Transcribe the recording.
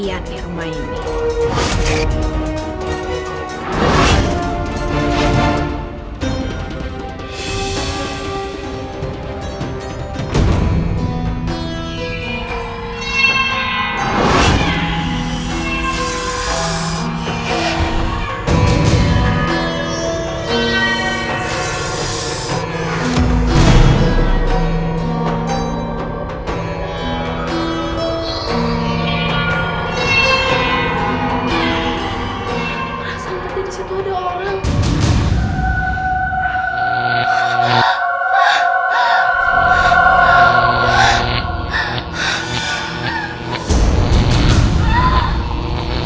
aku gak mau pergi mas